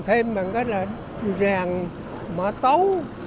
thêm bằng cái là rèn má tấu rồi làm lựu đạn rồi sửa súng thì có thể nói là không khí nó sôi nổi